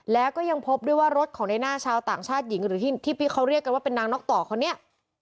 แล้วก็ยังพบด้วยว่ารถของในหน้าชาวต่างชาติหญิงหรือที่พี่เขาเรียกกันว่าเป็นนางนกต่อคนนี้